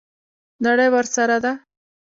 نړۍ ورسره ده.